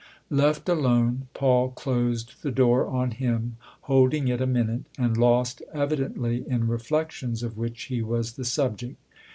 Left alone Paul closed the door on him, holding it a minute and lost evidently in reflections of which he was the subject.